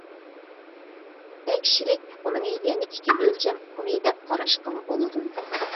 تەكشىلىك ئۇقۇمىنى يەنە ئىككى ئۆلچەم ئۇقۇمى دەپ قاراشقىمۇ بولىدۇ.